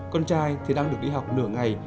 con trai thì đang được đi học nửa ngày